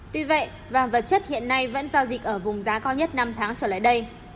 tuy vậy vàng vật chất hiện nay vẫn giao dịch ở vùng giá cao nhất năm tháng trở lại đây